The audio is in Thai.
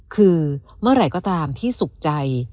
คือเมื่อไหร่ก็ตามที่สุขใจ